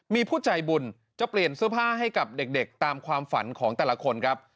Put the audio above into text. มีผู้ใจบุญจะเปลี่ยนเสื้อผ้าให้กับเด็กตามความฝันของแต่ละคนครับ